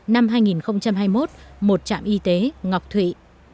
năm hai nghìn hai mươi một một trạm y tế ngọc thụy